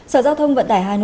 sở giao thông vận tải hà nội